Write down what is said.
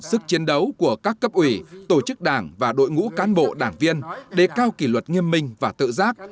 sức chiến đấu của các cấp ủy tổ chức đảng và đội ngũ cán bộ đảng viên đề cao kỷ luật nghiêm minh và tự giác